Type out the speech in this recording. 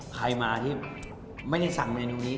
ใครมาที่ไม่ได้สั่งเมนูนี้